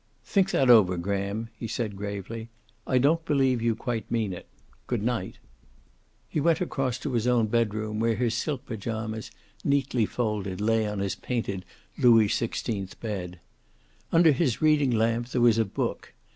"Think that over, Graham," he said gravely. "I don't believe you quite mean it. Good night." He went across to his own bedroom, where his silk pajamas, neatly folded, lay on his painted Louis XVI bed. Under his reading lamp there was a book.